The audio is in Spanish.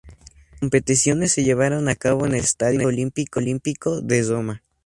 Las competiciones se llevaron a cabo en el Estadio Olímpico de Roma.